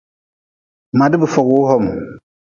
Madi bi fog-wu hKHm.